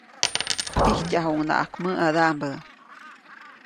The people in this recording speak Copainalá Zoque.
ʼIjtyajuʼuŋnaʼak mäʼadaʼmbä.